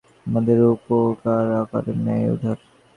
ধর্ম-মহাসভায় বিবেকানন্দের ভাষণ আমাদের উপরকার আকাশের ন্যায় উদার।